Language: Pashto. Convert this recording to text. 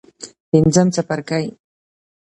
پنځم څپرکی.